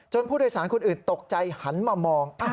ผู้โดยสารคนอื่นตกใจหันมามอง